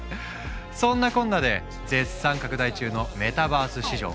そんなこんなで絶賛拡大中のメタバース市場。